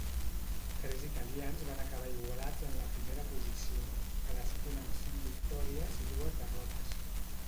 Tres italians van acabar igualats en la primera posició, cadascun amb cinc victòries i dues derrotes.